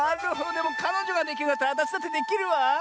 でもかのじょができるんだったらあたしだってできるわ。